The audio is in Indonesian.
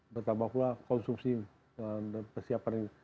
bertambah pula konsumsi dan persiapan ini